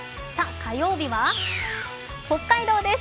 火曜日は北海道です。